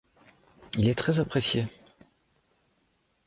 Il est très apprécié.